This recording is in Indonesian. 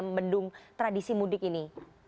membendung tradisi mudik ini